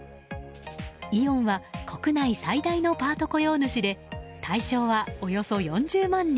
イオンは国内最大のパート雇用主で対象はおよそ４０万人。